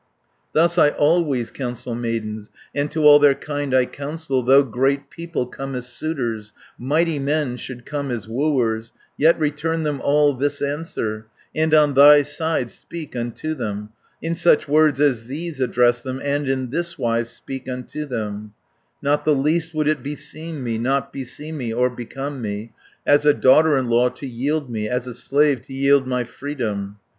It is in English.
"Thus I always counsel maidens, And to all their kind I counsel, 200 Though great people come as suitors, Mighty men should come as wooers, Yet return them all this answer; And on thy side speak unto them, In such words as these address them, And in thiswise speak unto them: 'Not the least would it beseem me, Not beseem me, or become me, As a daughter in law to yield me, As a slave to yield my freedom.